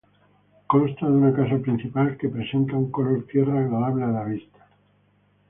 Consta de una casa principal que presenta un color tierra agradable a la vista.